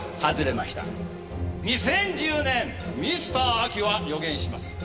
２０１０年ミスター・アキは予言します。